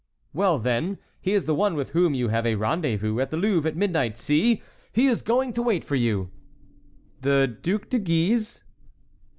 "Well, then, he is the one with whom you have a rendezvous at the Louvre at midnight. See, he is going to wait for you!" "The Duc de Guise?"